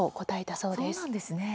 そうなんですね。